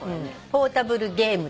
ポータブルゲームとか。